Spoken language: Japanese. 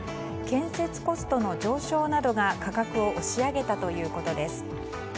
建設コストの上昇などが価格を押し上げたということです。